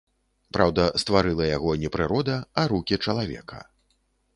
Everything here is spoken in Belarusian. Праўда, стварыла яго не прырода, а рукі чалавека.